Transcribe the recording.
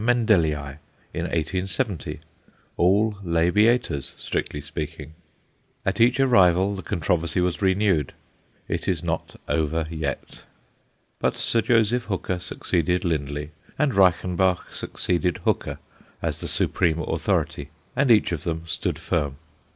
Mendellii_ in 1870 all labiatas, strictly speaking. At each arrival the controversy was renewed; it is not over yet. But Sir Joseph Hooker succeeded Lindley and Reichenbach succeeded Hooker as the supreme authority, and each of them stood firm.